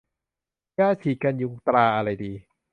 ยาฉีดกันยุงตราอะไรดี